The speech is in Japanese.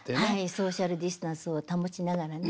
ソーシャルディスタンスを保ちながらね。